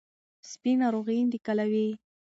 سپي ناروغي انتقالوي.